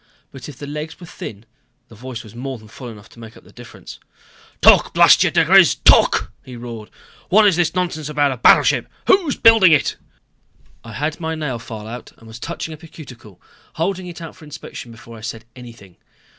But if the legs were thin, the voice was more than full enough to make up for the difference. "Talk, blast you diGriz talk!" he roared. "What is this nonsense about a battleship? Who's building it?" I had my nail file out and was touching up a cuticle, holding it out for inspection before I said anything.